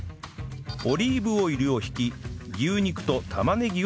オリーブオイルを引き牛肉と玉ねぎを炒めます